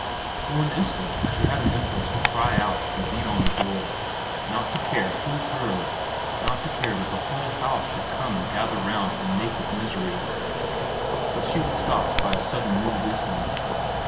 ... For an instant she had an impulse to cry out and beat on the door, not to care who heard, not to care that the whole house should come and gather round her naked misery ; but she was stopped by a sudden new wisdom.